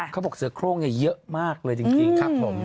เขาบอกเสือโครงเยอะมากเลยจริงครับผม